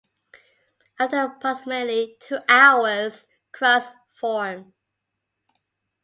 After approximately two hours, crusts form.